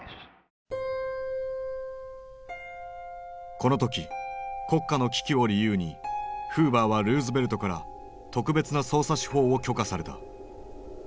このとき国家の危機を理由にフーバーはルーズベルトから特別な捜査手法を許可された。